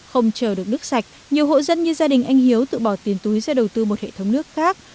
không chờ được nước sạch nhiều hộ dân như gia đình anh hiếu tự bỏ tiền túi ra đầu tư một hệ thống nước khác